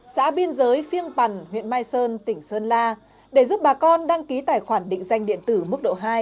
xã biên giới phiêng pằn huyện mai sơn tỉnh sơn la để giúp bà con đăng ký tài khoản định danh điện tử mức độ hai